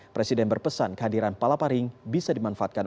presiden berpesan kehadiran palapa ring bisa dimanfaatkan